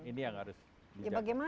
ini yang harus dijaga